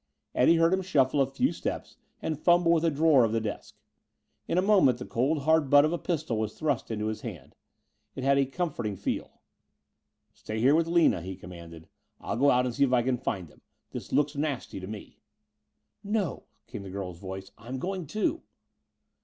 Eddie heard him shuffle a few steps and fumble with a drawer of the desk. In a moment the cold hard butt of a pistol was thrust into his hand. It had a comforting feel. "Stay here with Lina," he commanded. "I'll go out and see if I can find them. This looks nasty to me." "No," came the girl's voice, "I'm going too."